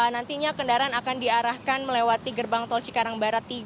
nantinya kendaraan akan diarahkan melewati gerbang tol cikarang barat tiga